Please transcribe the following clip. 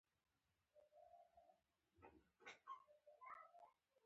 آیا د ایران جامې اوس عصري شوې نه دي؟